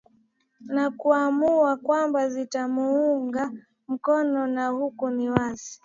na kuamua kwamba zitamuunga mkono na huku ni wazi